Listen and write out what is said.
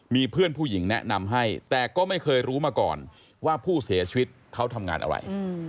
มีเพื่อนผู้หญิงแนะนำให้แต่ก็ไม่เคยรู้มาก่อนว่าผู้เสียชีวิตเขาทำงานอะไร